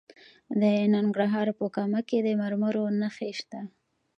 د ننګرهار په کامه کې د مرمرو نښې شته.